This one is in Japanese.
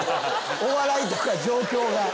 お笑いとか状況が。